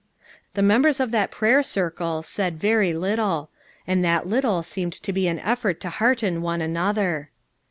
The members of that prayer circle said very little; and that little seemed to be an effort to hearten one another.